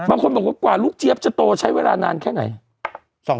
บางคนบอกว่ากว่าลูกเจี๊ยบจะโตใช้เวลานานแค่ไหน